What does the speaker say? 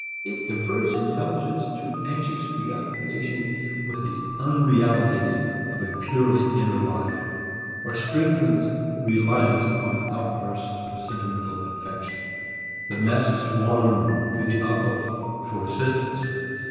It diverts intelligence to anxious preoccupation with the unrealities of a purely inner life, or strengthens reliance upon outbursts of sentimental affection. The masses swarm to the occult for assistance.